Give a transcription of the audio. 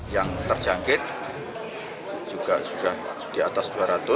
yang terjangkit juga sudah di atas dua ratus